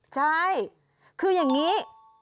ใช่คืออย่างนี้